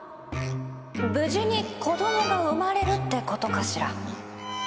「無事に子供が生まれる」ってことかしら？